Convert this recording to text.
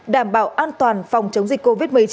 đảm bảo an toàn phòng chống dịch covid một mươi chín